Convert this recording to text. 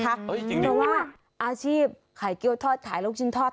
เพราะว่าอาชีพขายเกี้ยวทอดขายลูกชิ้นทอด